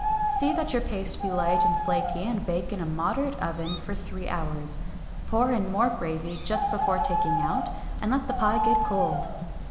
See that your paste be light and flaky, and bake in a moderate oven for three hours. Pour in more gravy just before taking out, and let the pie get cold.